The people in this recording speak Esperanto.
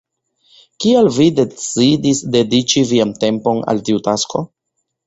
Kial vi decidis dediĉi vian tempon al tiu tasko?